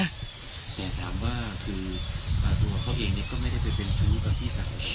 แต่ถามว่าคือตัวเขาเองก็ไม่ได้ไปเป็นชู้กับพี่สาว